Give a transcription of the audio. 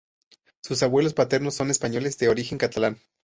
Sus abuelos paternos son españoles, de origen catalán.